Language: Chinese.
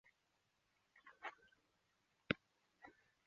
这个故事隶属于他的机器人系列的作品。